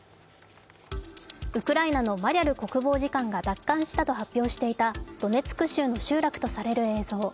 ウクライナのマリャル国防次官が奪還したと発表していたドネツク州の集落とされる映像。